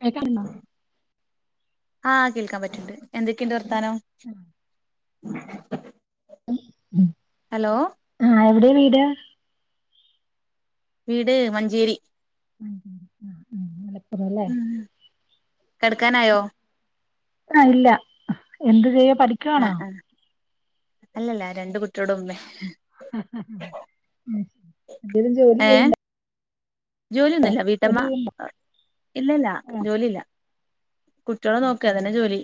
കേക്കാണ്ടോ ആഹ് കേൾക്കാൻ പറ്റ്ണ്ട് എന്തൊക്കെയുണ്ട് വർത്താനം ഉം ഉം ഹലോ ആഹ് എവിടെ വീട് വീട് മഞ്ചേരി ഉം ഉം ഉം ഉം മലപ്പുറംല്ലേ കെട്ക്കാനായോ ആഹ് ഇല്ല എന്ത് ചെയ്യാ പഠി അഹ് ആ ലഹ് അല്ലല്ല രണ്ട് കുട്ടിയോളുടെ ഉമ്മേ ഉം എന്തേലും ജോലി ഏഹ് ചെയ്യ്ണ്ടാ ജോലിയൊന്നുല്ല വീട്ടമ്മ ചെയ്യണ്ട ഇല്ലല്ല ആഹ് ജോലിയില്ല കുട്ട്യാളെ നോക്ക അതന്നെ ജോലി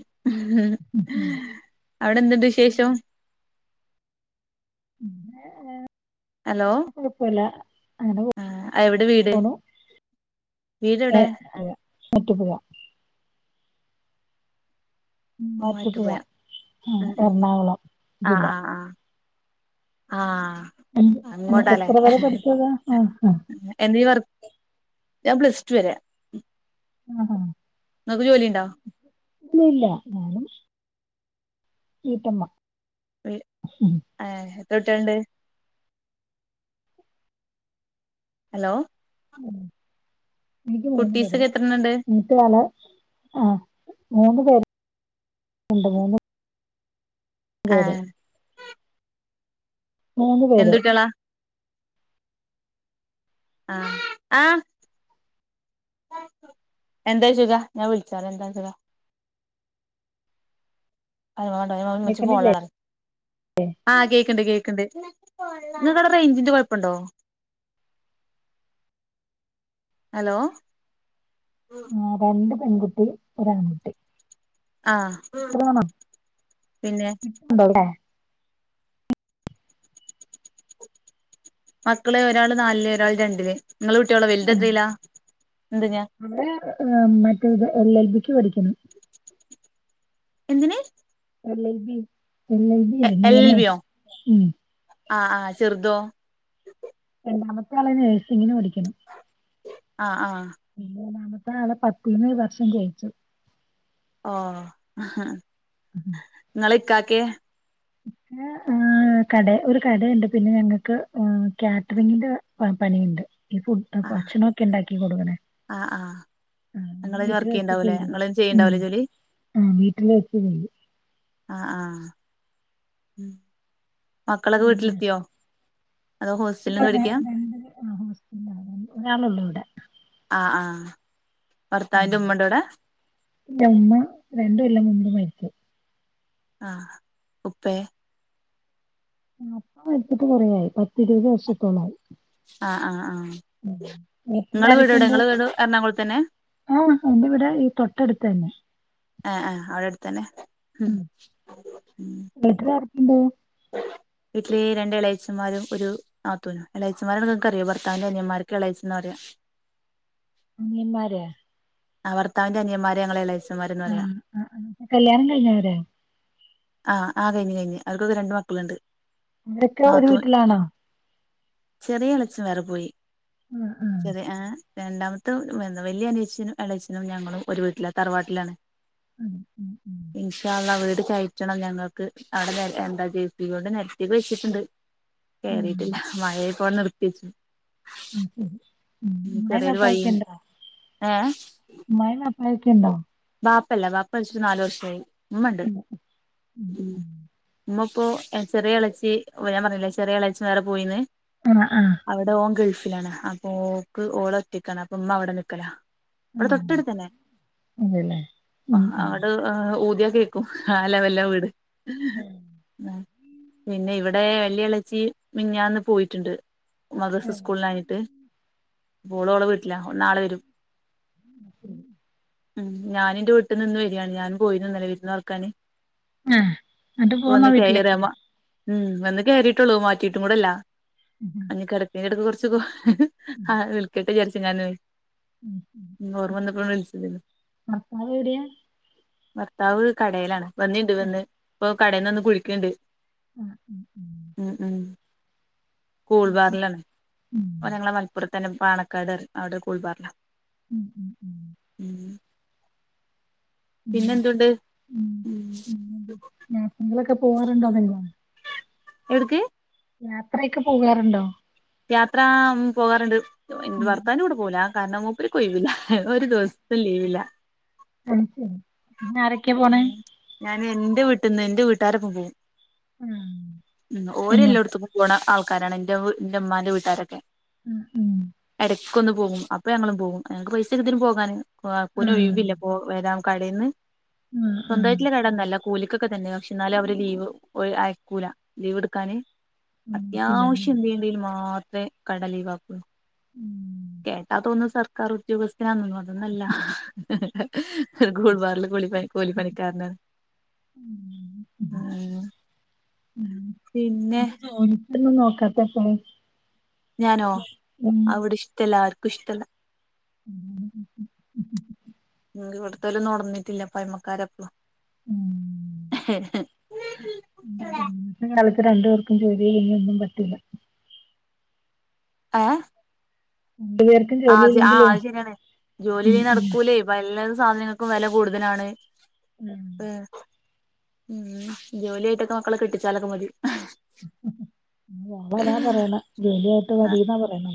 അവിടെന്ത്‌ണ്ട് വിശേഷം പിന്നെ വേ ഹലോ കുഴപ്പമല്ല അങ്ങനെ ആഹ് എവിടെ വീട് പോണു വീട് എവിടെ ഏഹ് അല്ല മൂവാറ്റുപുഴ മൂവാറ്റുപുഴ ആഹ് ഉം ഉം എറണാകുളം ആഹ് ജില്ല ആഹ് ആഹ് എന്ത് ആഹ് അങ്ങോട്ടാല്ലേ എത്ര വരെ പഠിച്ചതാ ആഹ് എന്തേലും വർക്ക്‌ ഞാൻ പ്ലസ്റ്റു വരെ ഉം ഇങ്ങക്ക് ജോലിണ്ടോ ഇല്ലില്ല ഞാനും വീട്ടമ്മ ഏഹ് ഉം. എത്ര കുട്ടിയാളുണ്ട് ഹലോ ഉം എനിക്ക് മൂന്ന് പേര് കുട്ടീസൊക്കെ എത്രണ്ണണ്ട് [unintelligible] ആ മൂന്ന പേര്ണ്ട് രണ്ട് മൂന്ന് ആഹ് മൂന്ന്പേര് എന്ത് കുട്ടിയോളാ ആഹ് എന്താ ചോയ്ച്ചോക്ക് ഞാൻ വിളിച്ചാല എന്താ ചോയ്ച്ചോക്കാ അയ് മാണ്ട ഇമ്മച്ചി കേക്കണില്ലേ ഫോണിലാണ് പറയ് ആഹ് കേക്കണ്ട് കേക്കണ്ട് ഇങ്ങക്ക് അവിടെ റേഞ്ചിന്റെ കുഴപ്പുണ്ടോ ഹലോ ആ രണ്ട് പെൺകുട്ടി ഒരു ആൺകുട്ടി ആഹ് പിന്നെ [unintelligible] മക്കള് ഒരാള് നാലില് ഒരാള് രണ്ടില് നിങ്ങള് കുട്ടിയളോ വലുത് എത്രയില്ലാ എന്തിനാ അവള് മറ്റത് എൽ എൽ ബിക്ക് പഠിക്കുന്നു എന്തിനന് L L B L L B ഇല്ലേ എൽ എൽ നിയമം ബിയോ ഉം. ആഹ് ആഹ് ചെറുതോ രണ്ടാമത്തെ ആളെ നഴ്സിങ്ങിന് പഠിക്ക്ണ് ആഹ് ആഹ് മൂന്നാമത്തെ ആളെ പത്തിന്ന് ഈ വർഷം ജയിച്ചു ഓഹ് ഉ ഇങ്ങളെ ഇക്കാക്കയോ ആഹ് കട ഒരു കടയുണ്ട് പിന്നെ ഞങ്ങൾക്ക്് കാറ്ററിങ്ങിന്റെ പണിയുണ്ട് ഈ ഫു അപ്പൊ ആഹ് ഭഷണമൊക്കെ ഉണ്ടാക്കി കൊടുക്കണേ ആഹ് ആഹ് ആ നിങ്ങളയിന് വീട്ടിൽ വർക്ക് വെച്ച് ചെയ്യണ്ടാവൂല്ലേ ചെയ്തെടുക്ക നിങ്ങളയിന് ഉം ചെയ്യണ്ടാവൂലേ ജോലി ആഹ് വീട്ടിൽ വെച്ച് ചെയും ആഹ് ആഹ് ഉം മക്കളൊക്കെ പിന്നെ വീട്ടിലെത്തിയോ അതോ ഹോസ്റ്റലിൽ [unintelligible] നിന്ന് രണ്ട് ആ പഠിക്കാ [unintelligible] ഒരാളള്ളൂ ഇവിടെ ആഹ് ആഹ് ഉം. ഭർത്താവിന്റെ ഉമ്മ ഉണ്ടെ അവിടെ ഇല്ല ഉമ്മ രണ്ടും കെല്ലാം മുമ്പും മരിച്ചു ആഹ് ഉപ്പേ ആഹ് ഉപ്പ മരിച്ചിട്ട് കുറയായി പത്തി ഇരുപത് വർഷത്തോള്ളായി ആഹ് ആഹ് ആഹ് നിങ്ങള് വീട് എവിടെ വീട്ടിലാരൊക്കെയുണ്ട് നിങ്ങള് വീട് എറണാകുളത്തന്നെ ആഹ് എന്റെ ഇവിടെ ഈ തൊട്ടടുത്ത് തന്നെ ആഹ ആഹ് അവിടെ അടുത്ത തന്നെ വീട്ടിലാരെക്കണ്ട് വീട്ടില്െ രണ്ടളയച്ചന്മാരും ഒരു നാത്തൂനും എലാഴച്ചിമാരെങ്ങക്ക അറിയാം ഭർത്താന്റെ അന്യമാർ എളച്ച എന്ന് പറയാ അന്ന്യ മാര് അവർത്തവന്റെ അന്യമാരെ ഞങ്ങളെചൻ ആഹ് ആഹ് കല്യാണം കഴിഞ്ഞവര ആഹ് ആ കഴിഞ്ഞ് കഴിഞ്ഞ് അവർക്കൊക്കെ രണ്ട് മക്കളുണ്ട് ഇതൊക്കെ ഒരു നാത്തൂൻ വീട്ടിലാണോ ചെറിയ എളേച്ഛൻ വേറെ പോയി ആഹ് ആഹ് ചെറിയ ആഹ് രണ്ടാമത്തെ എന്താ വല്യ അനിച്ഛനും എളേച്ചനും ഞങ്ങളും ഒരു വീട്ടില തറവാട്ടിലാണ് ഉം ഉം ഉം ഇൻശാഅല്ലാഹ്‌ വീട് കയറ്റണം ഞങ്ങക്ക് അവിടെ നെര എന്താ ജെസിബിയൊണ്ട് നെരത്തിയൊക്കെ വെച്ചിട്ടുണ്ട് കേറീട്ടില്ല മഴയായപ്പോ നിർത്തി വച്ചു ആഹ് ശരി ഉം മഴ ചെറിയൊരു വഴിയും നല്ലയിട്ട്ണ്ടോ ഏഹ് മഴ നന്നായിട്ട്ണ്ടോ ബാപ്പല്ല ബാപ്പ മരിച്ചിട്ട് നാലു വർഷായി ഇമ്മണ്ട് ഉം ഉം ഇമ്മ ഇപ്പൊ ചെറിയ എളച്ചി ഞാൻ പറഞ്ഞില്ലേ ചെറിയ എളേച്ചൻ വേറെ പോയിന്ന് ആണൊ ആഹ് അവിടെ ഓൻ ഗൾഫിലാണ് അപ്പോക്ക് ഓള് ഒറ്റക്കാണ് അപ്പൊ ഇമ്മ അവിടെ നിക്കല ഇവിടെ ആഹ് തൊട്ടടുത്തന്നെ അതെല്ലേ ഉം ആഹ് ഉം അവിടെ ഏഹ് ഊതിയ കേക്കും ആഹ് ലെവലില വീട് ആഹ് പിന്നെ ഇവിടെ വല്യ എളേച്ചി മിഞ്ഞാന്ന് പോയിട്ട്ണ്ട് മദ്റസ് സ്കൂളില്ലാഞ്ഞിട്ട് അപ്പോള് ഓളെ വീട്ടില ഓള് നാളെ വരും [inaudible] ഉം ഞാനിന്റെ വീട്ടിന്ന് ഇന്ന് വരിയാണ് ഞാനും പോയിനുന്നലെ വിര്ന്നാർക്കാന് ആഹ് എന്നിട്ട് പ്പൊ പോന്നോ വന്ന് കയറ വീട്ടിലേക്ക് മ ഉം വന്ന് കേറിട്ടൊള്ളൂ മാറ്റിട്ടും കൂടെല്ല ഉം. അനി കിടക്കെ കിടക്ക് കുറച്ച് ആഹ് വിളക്കട്ടെ വിചാരിച്ച് ഞാനെ ഉം ഉം ഓർമ്മ വന്നപ്പോ വിളിച്ചതേനു ഭർത്താവെവിടെയാ ഭർത്താവ് കടേലാണ് വന്നിണ്ട് വന്ന് ഇപ്പൊ കടയിൽന്ന് വന്ന് കുളിക്ക്ണ്ട് ആഹ് ഉം ഉം ഉം കൂൾ ബാറിലാണ് ഉം ഓഹ് ഞങ്ങളെ മലപ്പുറത്തന്നെ പാണക്കാട് പറയും അവിടെ കൂൾബാറില ഉം ഉം ഉം ഉം ഉം പിന്നെന്തുണ്ട് ഉം പിന്നെന്താ യാത്രകളൊക്കെ പോവാറ്ണ്ടോ വല്ലോം എവ്ട്ക്ക് യാത്രയൊക്കെ പോകാറുണ്ടോ യാത്ര ഉം പോകാറുണ്ട് ഇന്റെ ഉം ഭർത്താവിന്റെ കൂടെ പോവൂല കാരണം മൂപ്പർക്കൊഴിവില്ല ഒരു ദിവസത്തെ ലീവില്ല അത് ശെരി പിന്നെ ആരെ ഉം ഞാന് ന്റെ വീട്ടിന്ന് ഇന്റെ വീട്ടാരൊപ്പം പോവും ആഹ് ഉം എങ്ങോട്ട് ഓരെല്ലോട്ത്ത്ക്കും പോണ ആൾക്കാരാണ് ഇന്റെ ന്റെ ഇമ്മാന്റെ വീട്ടാരൊക്കെ ഉം ഉം ക്കൊന്ന് പോകും അപ്പ ഞങ്ങളും പോവും ഞങ്ങക്ക് പൈസക്കെത്തരും പോകാന് കാക്കുന് ആഹ് ഒഴിവില്ല പ്പോ വരാന് കടേന്ന് ആഹ് ആഹ് സ്വന്തായിട്ട്ള്ള കാടൊന്നുവല്ല കൂലിക്കൊക്കെ തന്നെ പക്ഷെ എന്നാലും അവര് ലീവ് അയക്കൂല ലീവ് ഇട്ക്കാന് അനിയത്തിയിലാല്ലേ അത്യാവശ്യം എന്ത്‌ണ്ടേലും മാത്രെ കട ലീവാക്കു ഉം കേട്ടാ തോന്നും സർക്കാറുദ്യോഗസ്ഥനാണെന്ന് അതൊന്നല്ല ഒരു കൂൾ ബാറില് കൂലിപ്പണി കൂലിപ്പണിക്കാരന ഉം ഉം ആഹ് ഉം അപ്പൊ ജോലിക്കൊന്നും നോക്കാത്തെത്തേ ഞാനോ അവിടിഷ്ടല്ല ആർക്കും ഇഷ്ടല്ല ഉം ഇവിടുത്തോലൊന്നും ഒണന്നിട്ടില്ല പയമക്കാരപ്പളും ഉം. ഉം. ഇന്നത്തെ കാലത്ത് രണ്ട പേർക്കും ജോലി ചെയ്യ ഒന്നും പറ്റില്ല ആ [unintelligible] ആഹ് ആ അത് ശരിയാണ് ഉം ജോലിങ്കിൽ ഉം നടക്കൂലേ ഇപ്പൊ എല്ലാ സാധനങ്ങൾക്കും വെലകൂടുതലാണ് ഉം ഉം ഉം ജോലിയായിട്ടൊക്കെ മക്കളെ കെട്ടിച്ചാലൊക്കെ മതി അതാ പറയണ ജോലിയായിട്ട് മതിന്നാ പറയിണെ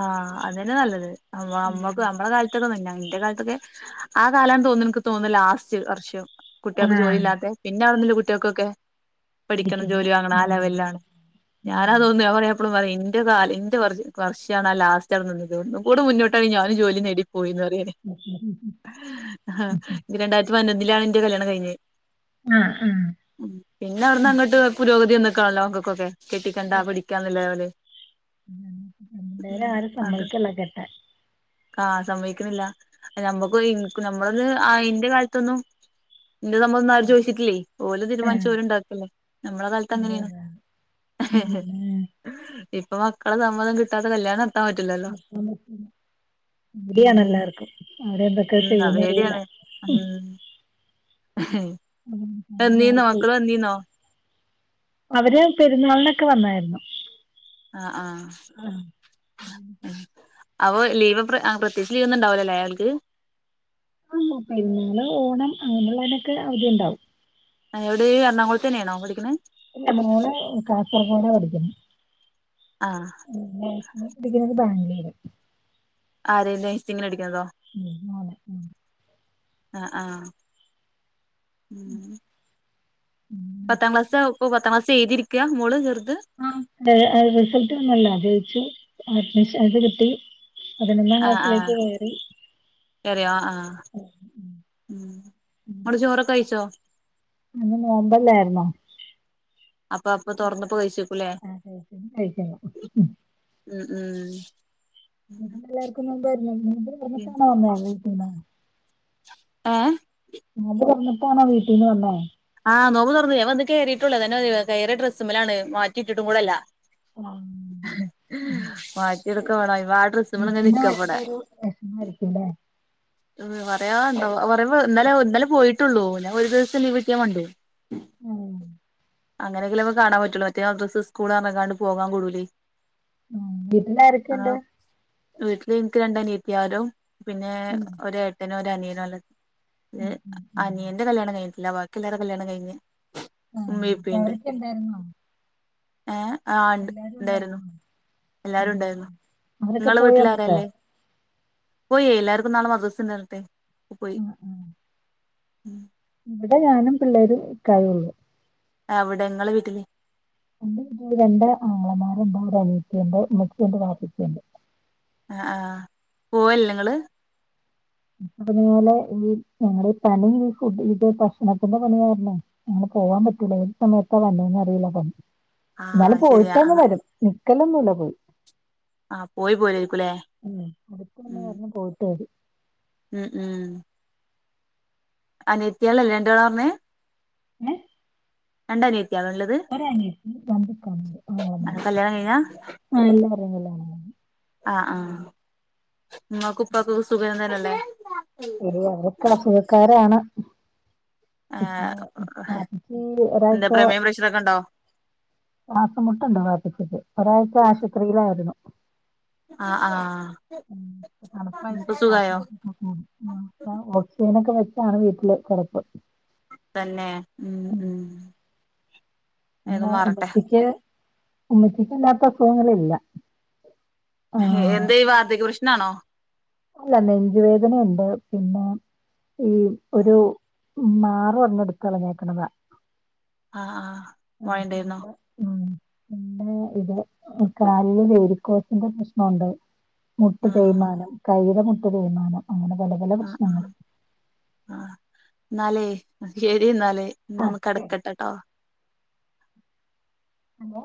ആഹ് അതന്നെ നല്ലത് അമ്മക്ക് നമ്മള കാല [unintelligible] ഇന്റെ കാലത്തൊക്കെ ആ കാലം തോന്നുന്നു എനിക്ക് തോന്നുന്നു ലാസ്റ്റ് വർഷം കുട്ട്യൾക്ക് ജോലി ആഹ് ഇല്ലാത്ത പിന്നെ അവിണന്നല്ല കുട്ട്യാക്കൊക്കെ പഠിക്കണം പഠിക്കുന്നു ജോലി വാങ്ങണം ആ ലെവലിലാ ഞാനാ തോന്നുന്നു അവടെ എപ്പഴും പറയും എന്റെ കാല് എന്റെ വർ വർ ഞാന ലാസ്റ്റ് നിന്നത് ഒന്ന് കൂടി മുന്നോട്ട് ഞാനും ജോലി നേടി പോയി എന്ന് പറീം രണ്ടായിരത്തി പതിനൊന്നിലാണ് ന്റെ കല്യാണം കഴിഞ്ഞെ ആഹ് ആഹ് പിന്നെ അവിടുന്ന് അത് അങ്ങട്ട് ശരി പുരോഗതി വന്ന്ക്കാണല്ലോങ്ങക്കൊക്കെ കെട്ടിക്കണ്ട പിഠിക്കാ ഇന്ന ലവലാ അന്നേരം ആരും സമ്മതിക്കല്ലോ കേട്ടാൻ ആഹ് സമ്മയ്ക്ക്ണില്ല നമ്മുക്ക് നമ്മളൊന്ന് ആ ഇന്റെ കാലത്തൊന്നും ഇന്റെ സംഭവംന്ന ആരും ചോയ്ച്ചിട്ടില്ലേ ഓലും ആഹ് തീരുമാനിച്ചു ഉണ്ടാക്കല്ലേ നമ്മള കാലത്ത് അതെ എങ്ങനെയാണ് അതെ ഉം, പിന്നെ ഇപ്പൊ മക്കളെ സമ്മതം കിട്ടാ കല്യാണം പറ്റില്ലല്ലോ ടിയാണ് ഉം എല്ലാവർക്കും അവിടെ എന്തൊക്കെയ ചെയ്യൂന്നറിയില്ല ഉ ഉം, കാലം എന്നീന്നോ മാറിപ്പോയി മക്കള് വന്നീനൊ അവര് പെരുന്നൾനൊക്കെ വന്നായിരുന്നു ആഹ് ആഹ് ആഹ് ഉം അപ്പ ലീവ് പ്രത്യേകിച്ച് ലീവ് ഒന്നും ഉണ്ടാവൂലലേ ഓൽക് അല്ല പെരുന്നാൾ ഓണം അങ്ങനെയുള്ളതിനൊക്കെ അവധി ണ്ടാവും എവിടെ എറണാകുളത്തന്നെയണോ പഠിക്ക്ണത് ല്ല മോള് കാസർഗോഡ പഠിക്കുന്നെ ആഹ് പിഠിപ്പിക്കുന്നത് ബാംഗ്ലൂര് ആരേല്ലേ നെഴ്സിങ്ങിന് അടിക്കുന്നതോ മോനെ അഹ് ആഹ്. [inaudible] പത്താംക്ലാസ്സ് ഇപ്പോ. പത്താംക്ലാസ്സ് എയ്തി ഇരിക്ക മോള് ചെറ്ത്. ആ റിസൾട്ട് വന്നല്ലൊ തെയിച്ചു. അഡ്മിഷൻ അത് കിട്ടി. പതിനൊന്നാം അഹ് ഹാ ക്ലാസ്സിലേക്ക് കയറി. കേറ്യാെ ആ. ഇങ്ങള് ചോറൊക്കെ വെയ്ച്ചോ. ഇന്ന് നോമ്പല്ലായിരുന്നോ. അപ്പൊ അപ്പൊ തൊറന്നപ്പൊ കഴചക്കുല്ലേ. അ [unintelligible] കയിക്കുന്നു ഉം ഉം ഉം ഉം എല്ലാർക്കും നോമ്പായിരുന്നോ [unintelligible] പറഞ്ഞിട്ടാണൊ വന്നേക്ക്ണെ ആഹ് നോമ്പ് വന്നിട്ടാണോ വീട്ടീന്ന് വന്നെ. ആഹ് നോമ്പ് തൊറന്നെ. ഞാൻ വന്ന് കേറിട്ടുള്ളെ. അതന്നെ കയറിയ ഡ്രസ്സ്മ്മലാണ്. മാറ്റിയിട്ടിട്ടും കൂടെ ഇല്ല. ആഹ് മാറ്റി ഇടുക്ക വാണം. അയ്മാ ഡ്രസ്സ് വീട്ടിന്ന വരുമ്പൊരു രസമായിരിക്കുംല്ലേ പറയാണ്ടൊ. പറിമ്പം ഇന്നലെ പോയിട്ടൊള്ളു. ഒരു ദിവസം ലീവിട്ട്യാ മണ്ടും. ആഹ് അങ്ങനെങ്കിലും അമക്ക് കാണൻ പറ്റുള്ളതൊക്കെ മദ്രസ് സ്കൂള് അറ്ന്ന്ങ്ങാണ്ട് പോകാൻ കൂടൂലേ. ഉം വീട്ടിലാരൊക്കെണ്ട്. അങ്ങനെ വീട്ടില് ഇൻക്ക് രണ്ട് അനത്തി ആരും പിന്നെ ഉം ഒരു ഏട്ടനു ഒരനിയന്വാ ഇള്ളെ ഹ്. അത് അനിയന്റെ കല്യാണം കഴിഞ്ഞിട്ട്ല്ല. ബാക്കി എല്ലാരെ കല്യാണം കഴിഞ്ഞു. ആഹ് അ അവരൊക്കെ ഇണ്ടായിരുന്നോ. ഏഹ് ആ ഇണ്ട് ഇണ്ടായിരുന്നു. ഉണ്ടായിരുന്നോ എല്ലാരും ഉം ഇണ്ടായിരുന്നു. അവരൊക്കെ ഇങ്ങളെ പോയോ വീട്ടില് എന്നിട്ട് ആരാള്ളെ പോയേ എല്ലാർക്കും നാളെ മദസണ്ടറ്ഞ്ഞ്ട്ടെ പോയി ആഹ് ആഹ് ഉം ഇവിടെ ഞാനും പിള്ളേരും ഇക്കായും ഒള്ളു. എവിടെ ഇങ്ങളെ വിട്ടില് എന്റെ വീട്ടില് രണ്ട് ആംഗളമാരും ഇണ്ട്. ഒരനിയത്തീണ്ട്. ഇമ്മച്ചീണ്ട് വാപ്പച്ചീണ്ട്. അ ആ പോവല്ലെ ഇങ്ങള് പറഞ്ഞാല് ഈ ഞങ്ങളെ ഈ പണി ഈ ഫുഡ് ഇത് ഭക്ഷണത്തിന്റെ പണിയായിര്ന്നൊ. ഞങ്ങള് പോവാാൻ പറ്റൂല. ഏത് സമയത്താ വന്നേന്നറീല്ല പം. ആഹ് ഇന്നാലും ശരിയാ പോയിട്ടന്ന് ആഹ് വരും നിക്കലൊന്നുല്ലത്. ആഹ് പോയി പോരായിരിക്കുംല്ലേ ഉം അടുത്ത് തന്നെ ഉം പറഞ്ഞ് പോയിട്ട് വെരും. ഉം ഉം അനിയത്യേളെല്ലെ രണ്ടാള് പറഞ്ഞെ ഏ രണ്ട് അനിയത്ത്യ ഇള്ളത്. ഒരു അനിയത്തി രണ്ട് കബ് അങളമാര് കല്യാണം കഴിഞ്ഞാ പെങളൂം എന്ന എല്ലാ [unintelligible] [unintelligible] അ ആഹ് ഉമ്മാക്കു ഉപ്പാക്കൊക്കെ സുഖം തന്നെല്ലേ. എടീ അവരൊക്കെ അസുഖക്കാരാണ് പ്പിന്നെ ഏഹ് വാപിചി എന്താ ഒരാഴ്ച്ച. പ്രമേയം പ്രഷറൊക്കെ ഉണ്ടോ ശ്വാസംമുട്ടുണ്ടൊ ബാപ്പിച്ചിക്ക്. ഒരാഴ്ച ആശുപത്രിയിലായിരുന്നു. ആഹ് ആഹ് ഉം തണ്പ്പ് ഇപ്പൊ ആയിട്ട് ശ്വാസം സുഖായോ മുട്ട് [unintelligible] ഒ ഓസേനൊക്കെ വെച്ചാണ് വീട്ടില് കിടപ്പ് തന്നെ ഉം ഉ പിന്നെ ഉമ്മച്ചക്ക് ഉമ്മച്ചക്ക്ല്ലാത്ത അസുഖങ്ങില്ല എന്താ ഈ വാർധക പ്രഷ്നാണോ അല്ല നെഞ്ച വേദനുണ്ട് പിന്നെ ഈ ഒരു മാറ എടുക്കളഞ്ഞേക്കണതാ ആഹ് ആഹ് ആ മഴണ്ടായിരുന്നോ പിന്നെ മം പിന്നെ ഇത് കലിൽ വോരിക്കോസിന്റെ പ്രശ്നമുണ്ട് മുട്ട് ആഹ് തേയ്മാനം കൈയില മുട്ട് തേയ്മാനം അങ്ങനെ പല പല പ്രശ്നങ്ങൾ ആഹ എന്നാലേ ശരി എന്നാലേ ഇന്ന് ആ ഒന്ന് ശരി കിടക്കട്ടെട്ടോ അലോ